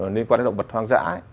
nên quan đến động vật hoang dã